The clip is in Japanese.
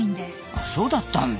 あそうだったんだ。